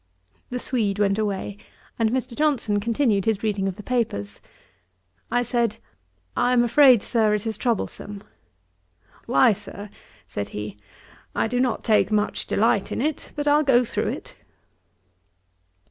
The Swede went away, and Mr. Johnson continued his reading of the papers. I said, 'I am afraid, Sir, it is troublesome.' 'Why, Sir, (said he,) I do not take much delight in it; but I'll go through it.'